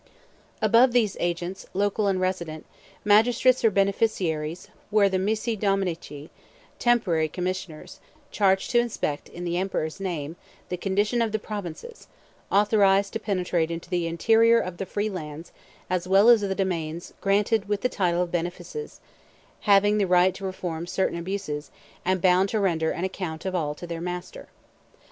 Above these agents, local and resident, magistrates or beneficiaries, were the missi dominici, temporary commissioners, charged to inspect, in the emperor's name, the condition of the provinces; authorized to penetrate into the interior of the free lands as well as of the domains granted with the title of benefices; having the right to reform certain abuses, and bound to render an account of all to their master.